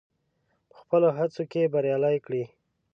په خپلو هڅو کې بريالی کړي.